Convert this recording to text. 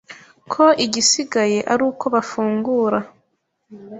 ko igisigaye ari uko bafungura